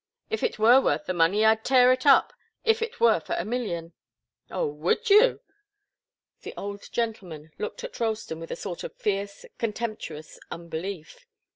If it were worth money, I'd tear it up if it were for a million." "Oh would you?" The old gentleman looked at Ralston with a sort of fierce, contemptuous unbelief.